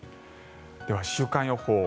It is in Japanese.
では週間予報。